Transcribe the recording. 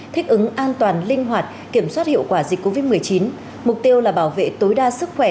thích ứng an toàn linh hoạt kiểm soát hiệu quả dịch covid một mươi chín mục tiêu là bảo vệ tối đa sức khỏe